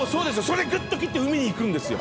それグッと切って海に行くんですよ。